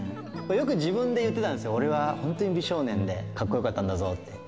よく自分で言ってたんですよ、俺は本当に美少年で、かっこよかったんだぞって。